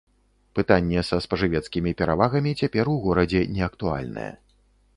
Пытанне са спажывецкімі перавагамі цяпер у горадзе неактуальнае.